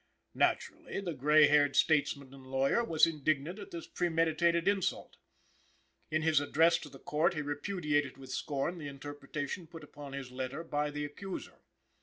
Naturally, the gray haired statesman and lawyer was indignant at this premeditated insult. In his address to the Court he repudiated with scorn the interpretation put upon his letter by his accuser.